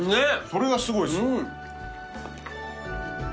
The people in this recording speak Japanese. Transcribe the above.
それがすごいです。